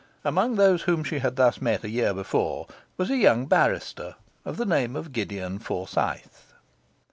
Among those whom she had thus met a year before was a young barrister of the name of Gideon Forsyth.